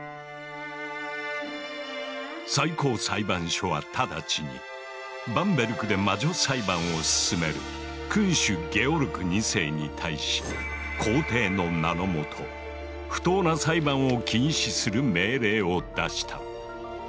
最高裁判所はただちにバンベルクで魔女裁判を進める君主・ゲオルク２世に対し皇帝の名の下不当な裁判を禁止する命令を出した。